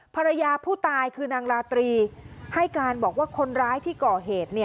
ภรรยาผู้ตายคือนางราตรีให้การบอกว่าคนร้ายที่ก่อเหตุ